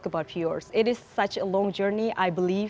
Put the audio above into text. ini adalah perjalanan yang sangat panjang saya yakin